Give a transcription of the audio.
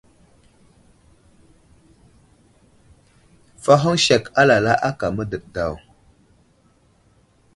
Fahoŋ sek alala aka mə́dəɗ daw.